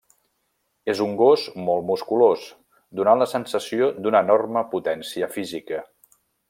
És un gos molt musculós, donant la sensació d'una enorme potència física.